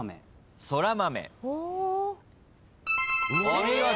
お見事。